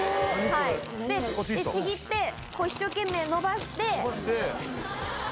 でちぎって一生懸命のばして。